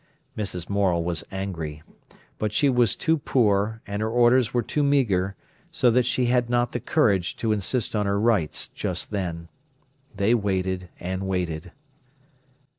Mrs. Morel was angry. But she was too poor, and her orders were too meagre, so that she had not the courage to insist on her rights just then. They waited and waited.